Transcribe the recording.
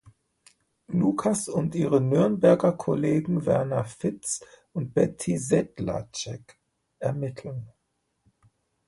Lucas und ihre Nürnberger Kollegen Werner Fitz und Betty Sedlacek ermitteln.